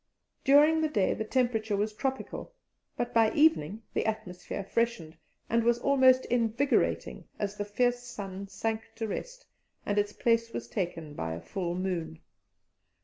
During the day the temperature was tropical, but by evening the atmosphere freshened, and was almost invigorating as the fierce sun sank to rest and its place was taken by a full moon.